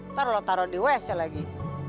ntar lu taro di wes ya lagi